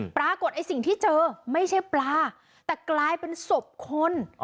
ปรากฏไอ้สิ่งที่เจอไม่ใช่ปลาแต่กลายเป็นศพคน